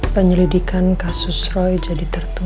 penyelidikan kasus roy jadi tertutup